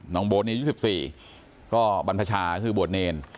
น้องโบ๊ทเนรยุสิบสี่ก็บรรพชาก็คือโบ๊ทเนร